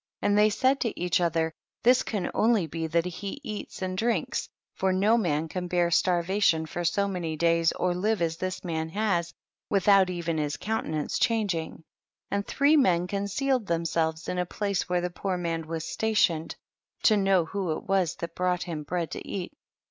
30. And they said to each other, this can only be that he eats and drinks, for no man can bear starva tion for so many days or live as this man has, without even his counten ance changing ; and three men con cealed themselves in a place where the poor man was stationed, to know who it was that brought him bread to eat.